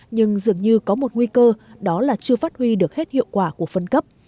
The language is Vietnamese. nhưng dường như có một nguy cơ đó là chưa phát huy được hết hiệu quả của phân cấp